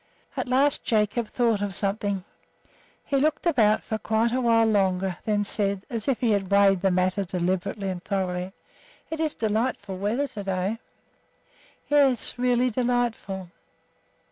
At last Jacob thought of something. He looked about for quite a while longer, and then said, as if he had weighed the matter deliberately and thoroughly, "It is delightful weather to day." "Yes, really delightful."